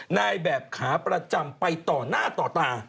นายแบบขาประจำไปต่อหน้าต่อตา